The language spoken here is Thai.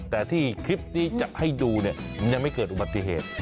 แต่ที่คลิปนี้จะให้ดูเนี่ยมันยังไม่เกิดอุบัติเหตุ